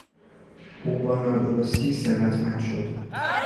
او با نادرستی ثروتمند شد.